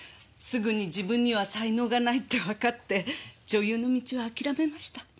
すぐに自分には才能がないってわかって女優の道は諦めました。